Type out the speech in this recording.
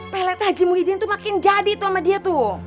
pelet haji muhyiddin tuh makin jadi tuh sama dia tuh